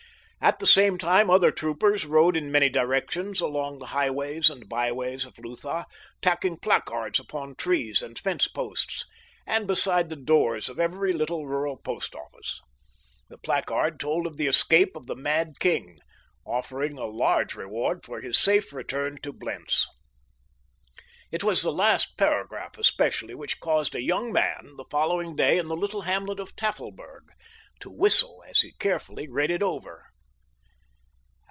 At the same time other troopers rode in many directions along the highways and byways of Lutha, tacking placards upon trees and fence posts and beside the doors of every little rural post office. The placard told of the escape of the mad king, offering a large reward for his safe return to Blentz. It was the last paragraph especially which caused a young man, the following day in the little hamlet of Tafelberg, to whistle as he carefully read it over.